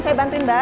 saya bantuin ya